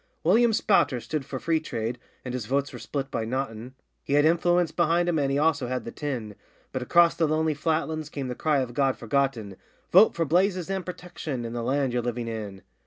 William Spouter stood for Freetrade (and his votes were split by Nottin), He had influence behind him and he also had the tin, But across the lonely flatlands came the cry of God Forgotten, 'Vote for Blazes and Protection, and the land you're living in!